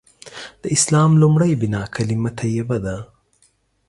د اسلام لومړۍ بناء کلیمه طیبه ده.